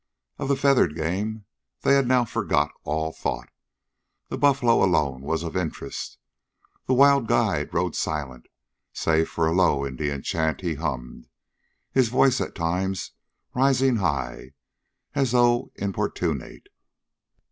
Of the feathered game they had now forgot all thought. The buffalo alone was of interest. The wild guide rode silent, save for a low Indian chant he hummed, his voice at times rising high, as though importunate.